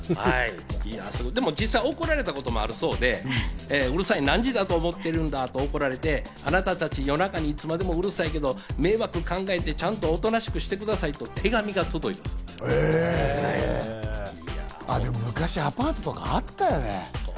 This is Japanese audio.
でも実際、怒られたこともあるそうで、「うるさい、何時だと思ってるんだ！」と怒られて、「あなたたち、いつまでも夜中までうるさいけど、迷惑を考えて、ちゃんとおとなしくしてください」と手紙が届いたこともあるそうです。